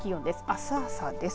あす朝です。